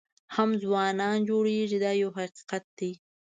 هم ځوانان جوړېږي دا یو حقیقت دی.